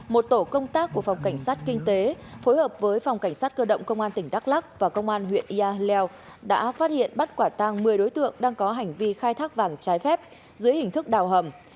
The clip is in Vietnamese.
một tổ công tác của phòng cảnh sát kinh tế phối hợp với phòng cảnh sát cơ động công an tỉnh đắk lắc và công an huyện yaleo đã phát hiện bắt quả tang một mươi đối tượng đang có hành vi khai thác vàng trái phép dưới hình thức đào hầm